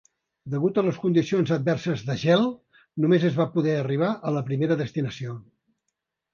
Degut a les condicions adverses de gel, només es va poder arribar a la primera destinació.